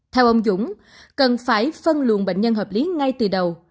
theo ông dũng cần phải phân luồng bệnh nhân hợp lý ngay từ đầu